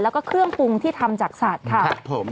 แล้วก็เครื่องปรุงที่ทำจากสัตว์ค่ะครับผม